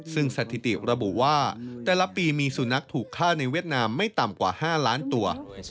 ซึ่งสถิติระบุว่าแต่ละปีมีสุนัขถูกฆ่าในเวียดนามไม่ต่ำกว่า๕ล้านตัว